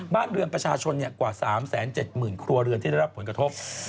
บ้านเรือนประชาชนกว่า๓๗๐๐ครัวเรือนที่ได้รับผลกระทบ